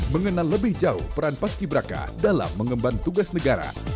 mengenal lebih jauh peran paski braka dalam mengemban tugas negara